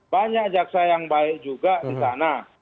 banyak jaksa yang baik juga di sana